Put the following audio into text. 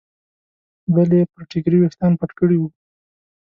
بلې پر ټیکري ویښتان پټ کړي وو.